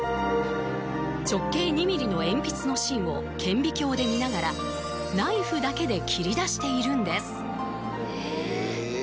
直径２ミリの鉛筆の芯を顕微鏡で見ながらナイフだけで切り出しているんですえ